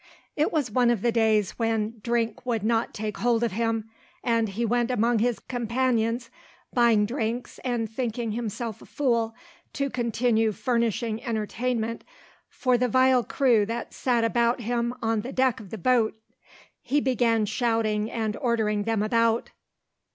It was one of the days when drink would not take hold of him, and he went among his companions, buying drinks and thinking himself a fool to continue furnishing entertainment for the vile crew that sat about him on the deck of the boat. He began shouting and ordering them about.